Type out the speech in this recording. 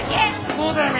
そうだね。